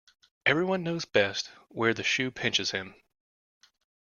Every one knows best where the shoe pinches him.